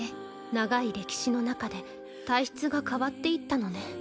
長い歴史の中で体質が変わっていったのね。